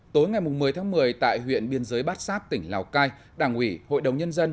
tối ngày một mươi tháng một mươi tại huyện biên giới bát sát tỉnh lào cai đảng ủy hội đồng nhân dân